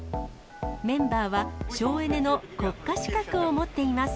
メンバーは、省エネの国家資格を持っています。